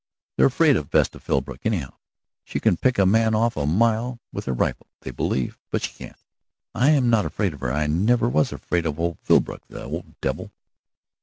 They're afraid of Vesta Philbrook, anyhow. She can pick a man off a mile with her rifle, they believe, but she can't. I'm not afraid of her; I never was afraid of old Philbrook, the old devil."